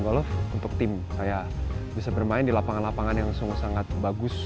golf untuk tim saya bisa bermain di lapangan lapangan yang sungguh sangat bagus